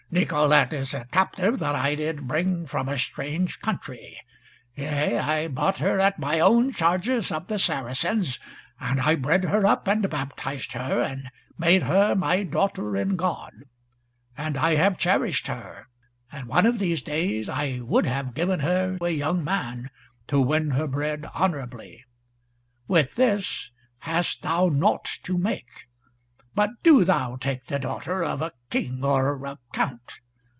Nicolete is a captive that I did bring from a strange country. Yea, I bought her at my own charges of the Saracens, and I bred her up and baptized her, and made her my daughter in God. And I have cherished her, and one of these days I would have given her a young man, to win her bread honourably. With this hast thou naught to make, but do thou take the daughter of a King or a Count.